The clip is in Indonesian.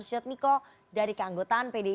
sujadmiko dari keanggotaan pdi